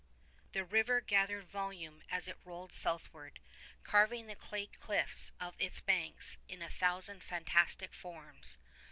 The river gathered volume as it rolled southward, carving the clay cliffs of its banks in a thousand fantastic forms.